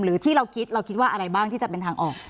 หรือที่เราคิดว่าอะไรบ้างที่จะเป็นทางออก